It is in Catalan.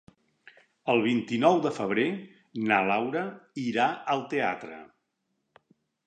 El vint-i-nou de febrer na Laura irà al teatre.